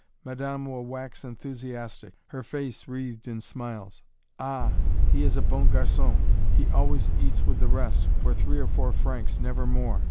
Madame will wax enthusiastic her face wreathed in smiles. "Ah! he is a bon garçon; he always eats with the rest, for three or four francs, never more!